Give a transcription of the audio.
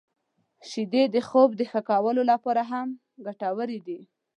• شیدې د خوب د ښه کولو لپاره هم ګټورې دي.